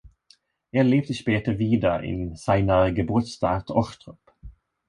Er lebte später wieder in seiner Geburtsstadt Ochtrup.